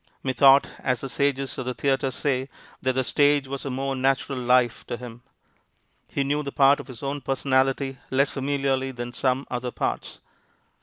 Methought, as the sages of the theatre say, that the stage was a more natural life to him. He knew the part of his own personality less familiarly than some other parts.